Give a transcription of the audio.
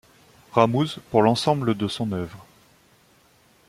Ramuz pour l'ensemble de son œuvre.